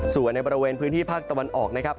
ส่วนในบริเวณพื้นที่ภาคตะวันออกนะครับ